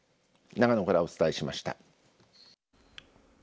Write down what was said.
長野からお伝えしました。